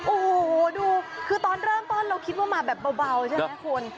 โอ้โหดูคือตอนเริ่มต้นเราคิดว่ามาแบบเบาใช่ไหมคุณ